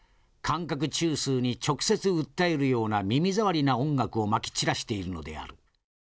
感覚中枢に直接訴えるような耳障りな音楽をまき散らしているのである。